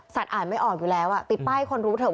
อ่านไม่ออกอยู่แล้วอ่ะติดป้ายให้คนรู้เถอะ